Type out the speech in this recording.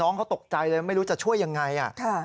น้องเขาก็ตกใจไม่รู้จะช่วยอย่างไรจน